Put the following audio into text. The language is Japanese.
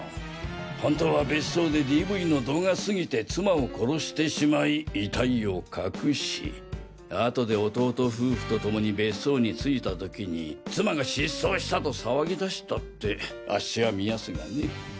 本当は別荘でＤＶの度が過ぎて妻を殺してしまい遺体を隠しあとで弟夫婦と共に別荘に着いた時に妻が失踪したと騒ぎ出したってアッシは見やすがね。